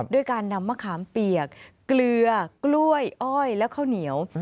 ด้วยการนำมะขามเปียกเกลือกล้วยอ้อยและข้าวเหนียว